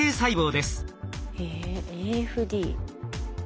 へえＡＦＤ。